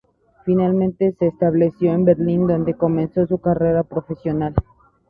Finalmente se estableció en Berlín donde comenzó su carrera profesional.